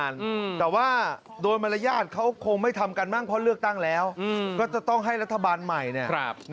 รู้แล้วครับนั่นแล้วแต่